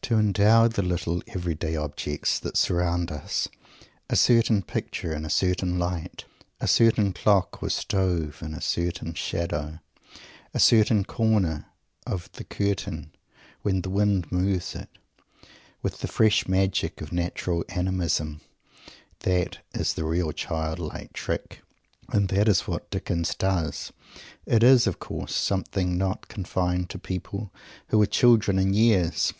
To endow the little every day objects that surround us a certain picture in a certain light, a certain clock or stove in a certain shadow, a certain corner of the curtain when the wind moves it with the fetish magic of natural "animism"; that is the real childlike trick, and that is what Dickens does. It is, of course, something not confined to people who are children in years.